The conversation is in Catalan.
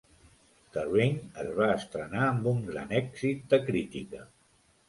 "The Ring" es va estrenar amb un gran èxit de crítica.